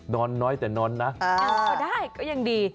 นอนน้อยแต่นอนนะก็ได้ก็ยังดี